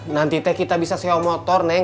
nanti teh kita bisa seo motor neng